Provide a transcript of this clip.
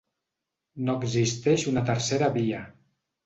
No existeix una tercera via.